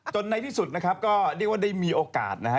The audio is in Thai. ในที่สุดนะครับก็เรียกว่าได้มีโอกาสนะฮะ